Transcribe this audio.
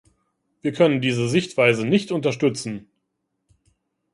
Wir können diese Sichtweise nicht unterstützen.